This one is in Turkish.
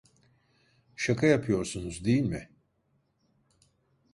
Şaka yapıyorsunuz, değil mi?